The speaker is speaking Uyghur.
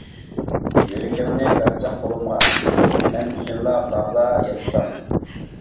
يۈرىكىڭنى بەرسەڭ قولۇمغا، مەن ئۈچۈنلا باغلا ياسىسام.